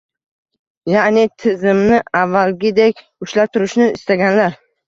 Ya’ni, tizimni avvalgidek ushlab turishni istaganlar